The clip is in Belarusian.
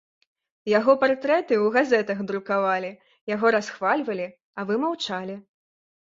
Яго партрэты ў газетах друкавалі, яго расхвальвалі, а вы маўчалі.